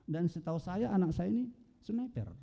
dan setahu saya anak saya ini semeter